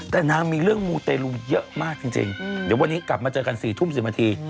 แต่นางมีเรื่องมูเตรลูเยอะมากจริงเดี๋ยววันนี้กลับมาเจอกัน๔ทุ่ม๑๐นาที